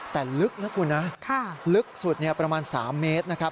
แต่ลึกนะคุณนะลึกสุดประมาณ๓เมตรนะครับ